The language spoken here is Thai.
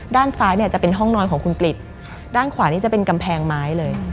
ด้านซ้ายเนี่ยจะเป็นห้องนอนของคุณกริจด้านขวานี่จะเป็นกำแพงไม้เลย